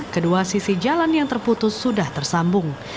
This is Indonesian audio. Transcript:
kedua sisi jalan yang terputus sudah tersambung